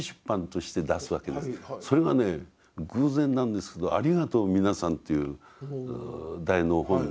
それがね偶然なんですけど「ありがとうみなさん」という題の本です。